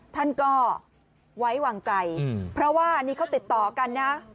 ท่านก็ไว้วางใจเพราะว่านี่เขาติดต่อกันนะ